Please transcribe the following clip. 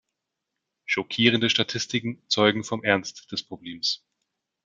Schockierende Statistiken zeugen vom Ernst des Problems.